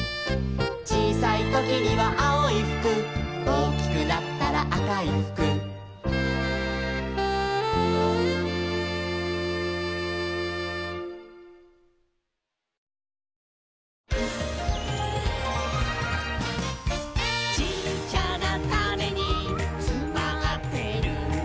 「ちいさいときにはあおいふく」「おおきくなったらあかいふく」「ちっちゃなタネにつまってるんだ」